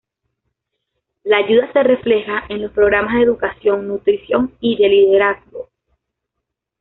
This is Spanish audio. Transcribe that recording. La ayuda se refleja en los programas de educación, nutrición y de liderazgo.